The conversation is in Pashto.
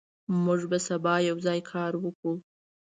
موږ به سبا یوځای کار وکړو.